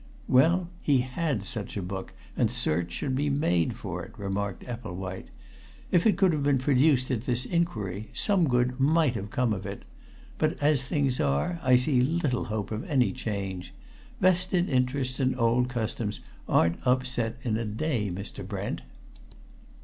"Well, he had such a book, and search should be made for it," remarked Epplewhite. "If it could have been produced at this inquiry, some good might have come of it. But, as things are, I see little hope of any change. Vested interests and old customs aren't upset in a day, Mr. Brent."